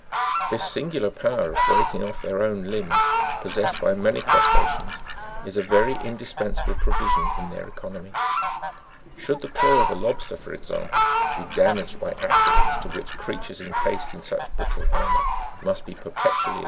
This singular power of breaking off their own limbs, pos sessed by many crustaceans, is a very indispensable provision in their economy. Should the claw of a lobster, for example, be damaged by acci dents to which creatures encased in such brittle armour must be perpetually ORGANIZATION OF 'CRUSTACEANS.